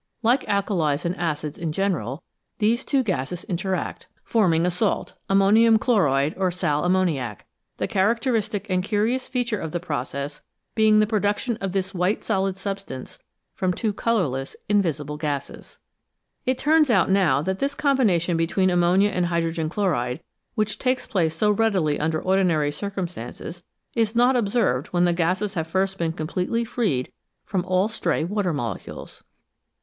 Like alkalies and acids in general, these two gases interact, forming a salt ammonium chloride or sal ammoniac the character istic and curious feature of the process being the production of this white solid substance from two colourless, invisible erases. It turns out now that this combination between o ammonia and hydrogen chloride, which takes place so readily under ordinary circumstances, is not observed when the gases have first been completely freed from all stray water molecules.